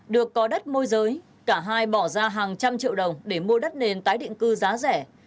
được có đất môi giới cả hai bỏ ra hàng trăm triệu đồng để mua đất nền tái định cư giá rẻ